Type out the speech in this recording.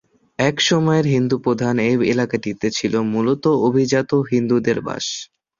এক সময়ের হিন্দু প্রধান এ এলাকাটিতে ছিল মুলত অভিজাত হিন্দুদের বাস।